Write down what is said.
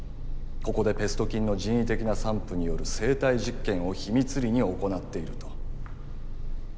ここでペスト菌の人為的な散布による生体実験を秘密裏に行っていると。